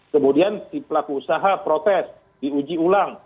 kemudian si pelaku usaha protes diuji ulang